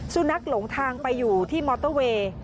สุนัขหลงทางไปอยู่ที่มอเตอร์เวย์